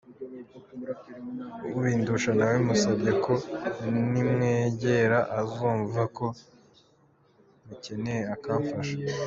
Ubindusha nawe musabye ko nimwegera azumva ko mukeneye akamfasha.